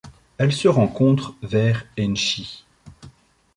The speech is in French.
Elle se rencontre vers Enshi.